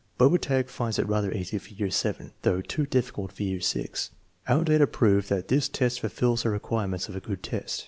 Bobertag finds it rather easy for year VII, though too difficult for year VI. Our data prove that this test fulfills the requirements of a good test.